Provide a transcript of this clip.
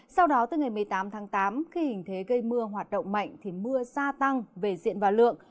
sau đó từ ngày một mươi tám tháng tám khi hình thế gây mưa hoạt động mạnh thì mưa gia tăng về diện và lượng